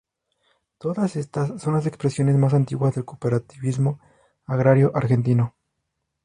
Todas estas son las expresiones más antiguas del cooperativismo agrario argentino.